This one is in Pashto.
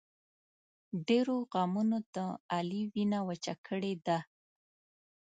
ډېرو غمونو د علي وینه وچه کړې ده.